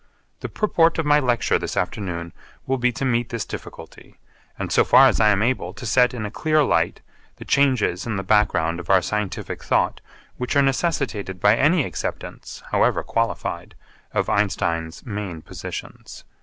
The purport of my lecture this afternoon will be to meet this difficulty and, so far as I am able, to set in a clear light the changes in the background of our scientific thought which are necessitated by any acceptance, however qualified, of Einstein's main positions.